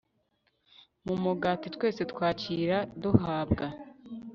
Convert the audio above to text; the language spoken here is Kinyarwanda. mu mugati twese twakira duhabwa